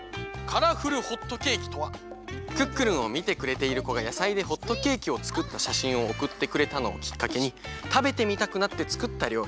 「クックルン」をみてくれているこがやさいでホットケーキをつくったしゃしんをおくってくれたのをきっかけにたべてみたくなってつくったりょうり。